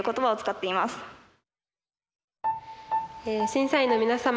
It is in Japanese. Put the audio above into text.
審査員の皆様